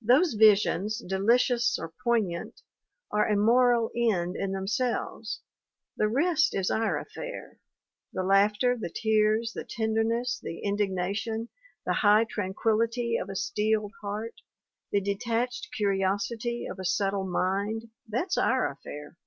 Those visions, delicious or poign ant, are a moral end in themselves. The rest is our affair the laughter, the tears, the tenderness, the in dignation, the high tranquillity of a steeled heart, the detached curiosity of a subtle mind that's our affair